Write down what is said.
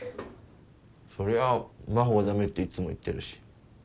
そりゃあ真帆が駄目っていっつも言ってるし。